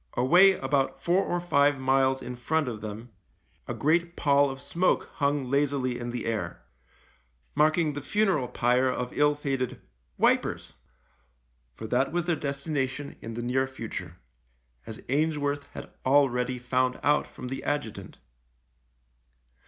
Away about four or five miles in front of them a great pall of smoke hung lazily in the air — marking the funeral pyre of ill fated " Wipers." For that was their destination in the near future, as Ainsworth had already found out from the adjutant.